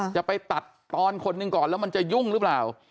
จะไปตัดตอนคนหนึ่งก่อนแล้วมันจะยุ่งหรือเปล่า